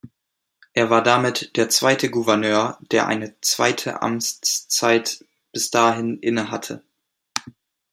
Er war damit der zweite Gouverneur, der eine zweite Amtszeit bis dahin innehatte.